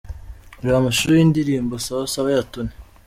Reba amashusho y'indirimbo 'Sawa sawa' ya Tony.